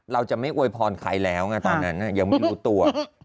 เราจะไม่อวยพรใครแล้วไงตอนนั้นยังไม่รู้ตัว